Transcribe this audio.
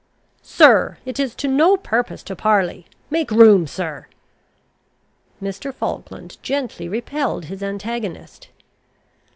"Sir, it is to no purpose to parley. Make room, sir!" Mr. Falkland gently repelled his antagonist.